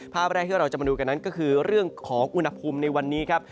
ภาพแรกที่เราจะมาดูกันนั้นก็คือเรื่องของอุณหภูมิในวันนี้ครับ